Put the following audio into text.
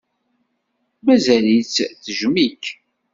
Mazal-itt tejjem-ik.